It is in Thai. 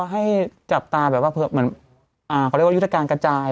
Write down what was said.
ให้จับตาแบบว่าเหมือนเขาเรียกว่ายุทธการกระจาย